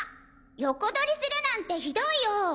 横取りするなんてひどいよ。